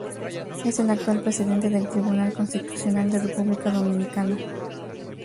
Es el actual presidente del Tribunal Constitucional de República Dominicana.